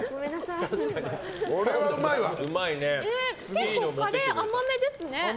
結構カレー甘めですね。